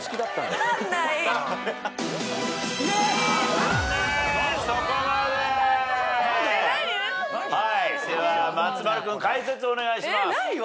では松丸君解説お願いします。